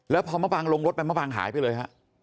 แล้วพอมะปางลงรถไปมะปางหายไปเลยฮะ